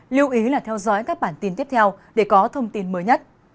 lưu ý là theo dõi các bản tin tiếp theo để có thông tin mới nhất